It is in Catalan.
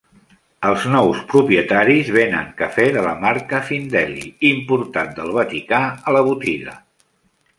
Els nous propietaris venen cafè de la marca "PhinDeli", importat del Vaticà, a la botiga.